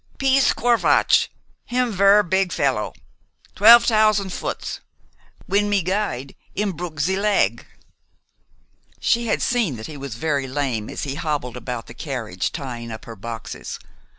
"Piz Corvatsch! Him ver' big fellow. Twelf t'ousen foots. W'en me guide him bruk ze leg." She had seen that he was very lame as he hobbled about the carriage tying up her boxes.